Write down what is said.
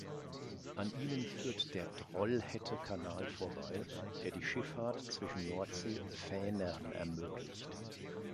An ihnen führt der Trollhätte-Kanal vorbei, der die Schifffahrt zwischen Nordsee und Vänern ermöglicht.